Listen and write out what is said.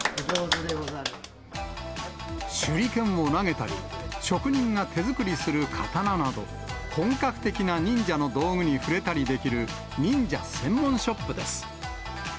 手裏剣を投げたり、職人が手作りする刀など、本格的な忍者の道具に触れたりできる忍者専門ショップです。